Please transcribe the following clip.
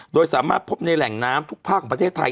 โดยสามารถพบในแหล่งน้ำทุกภาคของประเทศไทย